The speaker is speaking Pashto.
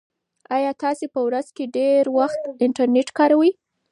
ایا تاسي په ورځ کې ډېر وخت انټرنيټ کاروئ؟